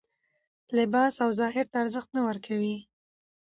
لباس او ظاهر ته ارزښت نه ورکوي